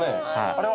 あれは。